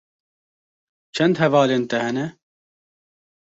Çend hevalên te hene?